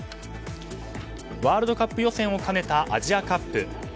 ワールドカップ予選を兼ねたアジアカップ。